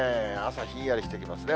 朝、ひんやりしてきますね。